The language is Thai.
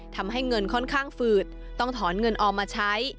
ทำให้เงินค่อนข้างฝืดต้องถอนเงินออมมาใช้